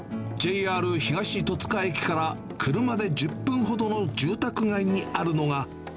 ＪＲ東戸塚駅から車で１０分ほどの住宅街にあるのが。